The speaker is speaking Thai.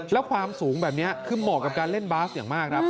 แล้วความสูงแบบนี้คือเหมาะกับการเล่นบาสอย่างมากครับ